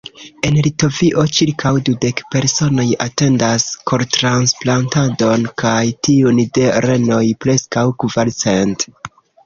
En Litovio ĉirkaŭ dudek personoj atendas kortransplantadon kaj tiun de renoj preskaŭ kvarcent.